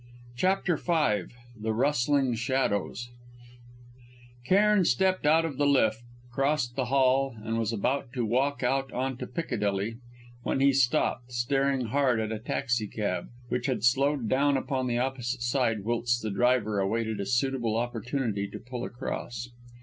CHAPTER V THE RUSTLING SHADOWS Cairn stepped out of the lift, crossed the hall, and was about to walk out on to Piccadilly, when he stopped, staring hard at a taxi cab which had slowed down upon the opposite side whilst the driver awaited a suitable opportunity to pull across.